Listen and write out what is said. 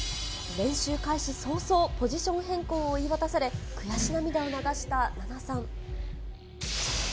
練習開始早々、ポジション変更を言い渡され、悔し涙を流したナナさん。